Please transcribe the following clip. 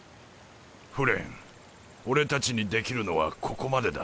フレン俺たちにできるのはここまでだ。